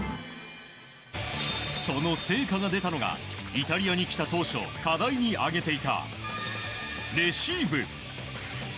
その成果が出たのがイタリアに来た当初課題に挙げていたレシーブ。